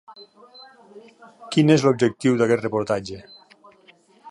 Quin és l'objectiu d'aquest reportatge?